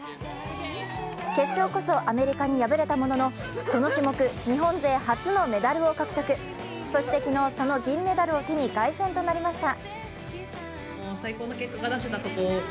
決勝こそアメリカに敗れたもののこの種目、日本勢初のメダルを獲得そして昨日、その銀メダルを手に凱旋となりました。